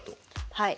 はい。